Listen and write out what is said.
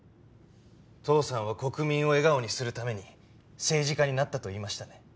父さんは国民を笑顔にするために政治家になったと言いましたね？